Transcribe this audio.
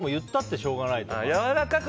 もう、女の人も言ったってしょうがないから。